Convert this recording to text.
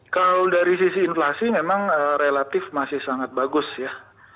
kalau dari sisi inflasi memang relatif masih sangat bagus ya